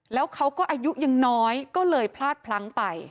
แล้วเขาก็อายุยังน้อยก็เลยพลาดพลั้งไป